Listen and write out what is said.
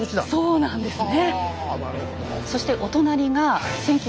そうなんですよね。